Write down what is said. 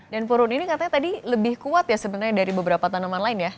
dan purun ini katanya tadi lebih kuat ya sebenarnya dari beberapa tanaman lain ya